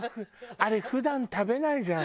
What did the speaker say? あれ普段食べないじゃん。